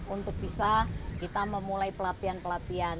untuk bisa kita memulai pelatihan pelatihan